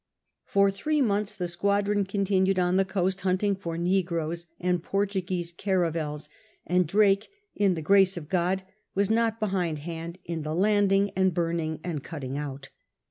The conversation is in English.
For three months the squadron continued on the coast hunting for negroes and Portuguese caravels, and Drake, in the Grace of God, was not behindhand in landing and burning and cutting out.